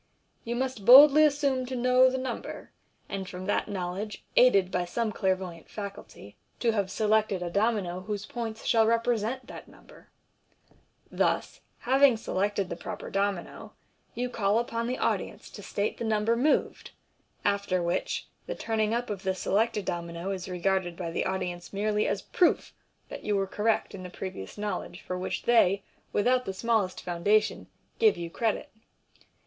You must boldly assume to know the number, and from that knowledge, aided by some clairvoyant faculty, to have selected a domino whose points shall represent that number. Thus, having selected the proper domino, you call upon the audience to state the number moved, after which the turning up of the selected domino is regarded by the audi ence merely as a proof that you were correct in the previous know ledge for which they, without the smallest foundation, give you credit.